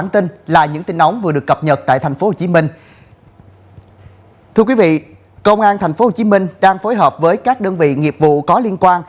thưa quý vị công an tp hcm đang phối hợp với các đơn vị nghiệp vụ có liên quan